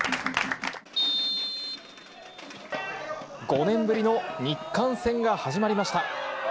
５年ぶりの日韓戦が始まりました。